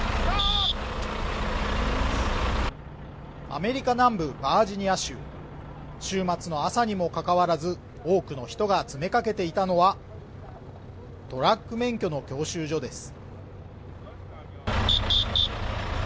アメリカ南部バージニア州週末の朝にもかかわらず多くの人が詰めかけていたのはトラック免許の教習所です